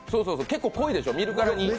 結構、濃いでしょ、見るからに。